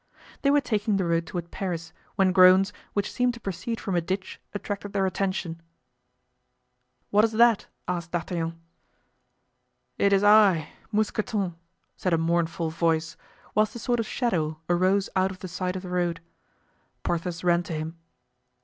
They were taking the road toward Paris, when groans, which seemed to proceed from a ditch, attracted their attention. "What is that?" asked D'Artagnan. "It is I—Mousqueton," said a mournful voice, whilst a sort of shadow arose out of the side of the road. Porthos ran to him.